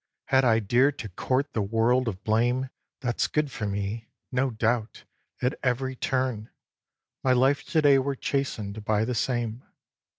had I dared to court the word of blame That's good for me, no doubt! at every turn, My life to day were chasten'd by the same.